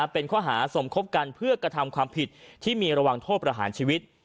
เป็นข้อหาสมคบกันเพื่อกระทำความผิดที่มีระวังโทษประหารชีวิต